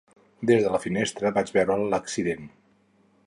Des de la finestra vaig veure l'accident.